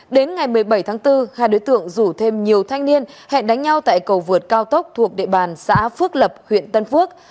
đến ngày một mươi bảy tháng bốn hai đối tượng rủ thêm nhiều thanh niên hẹn đánh nhau tại cầu vượt cao tốc thuộc địa bàn xã phước lập huyện tân phước